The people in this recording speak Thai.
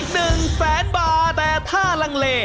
สูงสุดไปเลย๑แฟนบาลแต่ถ้ารังเล